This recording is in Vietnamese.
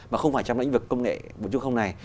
mà không phải trong lĩnh vực công nghệ vũ trụ không này